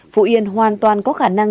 phú yên hoàn toàn có khả năng